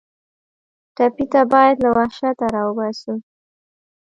ټپي ته باید له وحشته راوباسو.